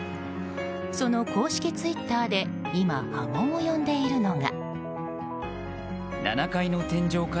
その公式ツイッターで今、波紋を呼んでいるのが。